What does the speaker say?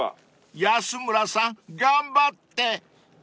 ［安村さん頑張って］